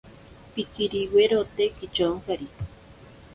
Pikiriwirote kityonkari.